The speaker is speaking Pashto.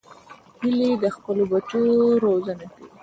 هیلۍ د خپلو بچو روزنه کوي